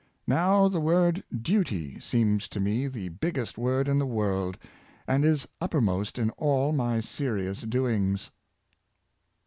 Now, the word Duty seems to me the big gest word in the world, and is uppermost in all my serious doings."